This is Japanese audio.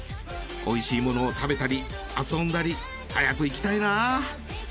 おいしいものを食べたり遊んだり早く行きたいな。